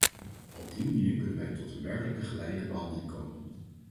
Op die manier kunnen wij tot een werkelijke gelijke behandeling komen.